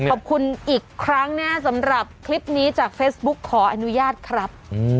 ขอบคุณอีกครั้งนะครับสำหรับคลิปนี้จากเฟซบุ๊คขออนุญาตครับ